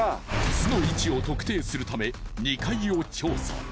巣の位置を特定するため２階を調査。